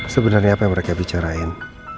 sebenarnya apa yang mereka bicarain